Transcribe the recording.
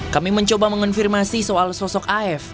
kami mencoba mengonfirmasi soal sosok af